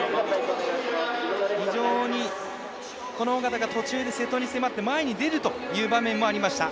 非常に小方が途中で瀬戸に迫って前に出るという場面もありました。